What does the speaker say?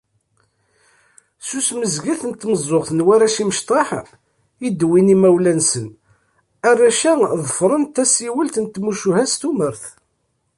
S usmuzget s tmeẓẓuɣt n warrac imecṭaḥ i d-wwin yimawlan-nsen, arrac-a ḍefren tasiwelt n tmucuha s tumert.